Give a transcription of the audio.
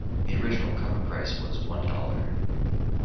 The original cover price was one dollar.